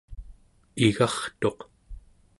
igartuq